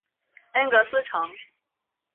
恩格斯城。